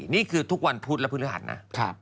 นี่คือทุกวันพุธและพฤหัสนะ